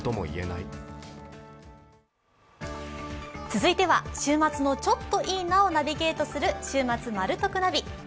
続いては週末のちょっといいなをナビゲートする「週末マル得ナビ」。